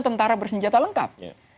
tentara bersenjata lengkap